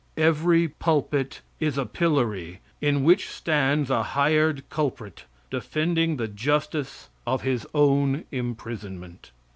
Every pulpit is a pillory in which stands a hired culprit, defending the justice of his own imprisonment.